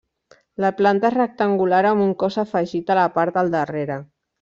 La planta és rectangular amb un cos afegit a la part del darrere.